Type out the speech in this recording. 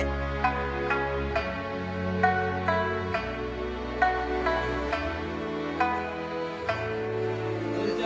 「あこんにちは」